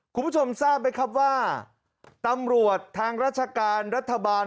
คุณผู้ชมทราบไหมครับว่าตำรวจทางราชการรัฐบาล